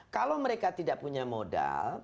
kalau mereka tidak punya modal